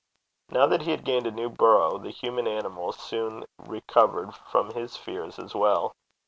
Now that he had gained a new burrow, the human animal soon recovered from his fears as well.